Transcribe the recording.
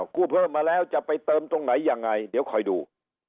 กู้เพิ่มมาแล้วจะไปเติมตรงไหนยังไงเดี๋ยวคอยดู